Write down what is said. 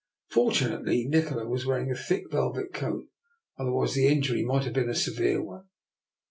Fortunately, Nikola was wearing a thick velvet coat, otherwise the in jury might have been a severe one.